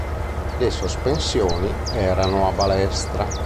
Le sospensioni erano a balestra.